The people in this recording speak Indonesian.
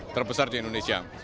terbesar di indonesia